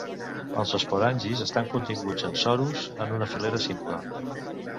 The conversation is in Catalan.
Els esporangis estan continguts en sorus en una filera simple.